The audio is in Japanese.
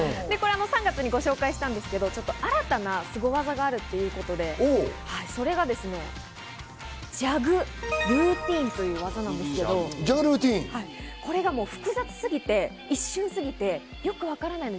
３月にご紹介したんですけれども、新たなスゴ技があるということで、それがジャグルーティンという技なんですけれども、これが複雑すぎて、一瞬すぎてよくわからなくて。